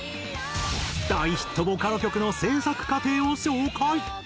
大ヒットボカロ曲の制作過程を紹介。